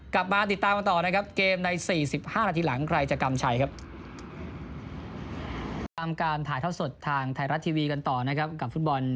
กลับมาติดตามต่อนะครับ